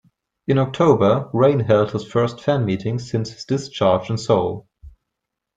In October, Rain held his first fan meeting since his discharge in Seoul.